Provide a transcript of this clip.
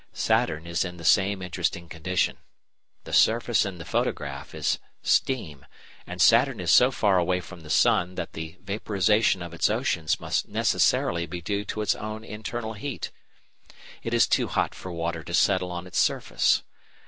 Saturn is in the same interesting condition. The surface in the photograph (Fig. 13) is steam, and Saturn is so far away from the sun that the vaporisation of its oceans must necessarily be due to its own internal heat. It is too hot for water to settle on its surface.